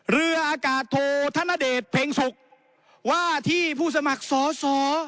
เรืออากาศโทษธนเดชเพ็งศุกร์ว่าที่ผู้สมัครสอสอ